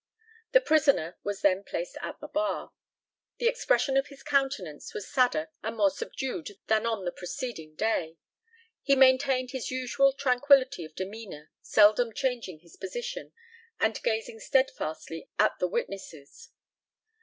The prisoner was then placed at the bar. The expression of his countenance was sadder and more subdued than on the preceding day. He maintained his usual tranquillity of demeanour, seldom changing his position, and gazing steadfastly at the witnesses.